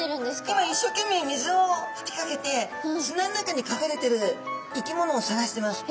今一生懸命水をふきかけて砂ん中にかくれてる生き物を探してます。